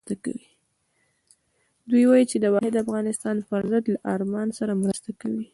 دوی وایي چې د واحد افغانستان پر ضد له ارمان سره مرسته کوي.